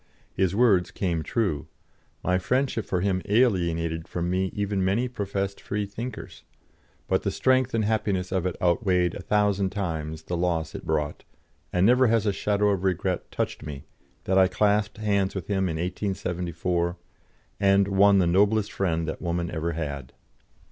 His words came true; my friendship for him alienated from me even many professed Freethinkers, but the strength and the happiness of it outweighed a thousand times the loss it brought, and never has a shadow of regret touched me that I clasped hands with him in 1874, and won the noblest friend that woman ever had.